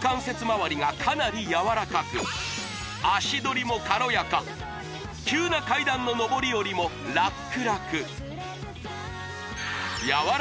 関節まわりがかなり柔らかく足取りも軽やか急な階段ののぼりおりもラクラク柔ら